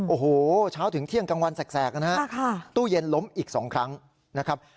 โอ้โหเช้าถึงเที่ยงกลางวันแสกนะฮะตู้เย็นล้มอีก๒ครั้งนะครับ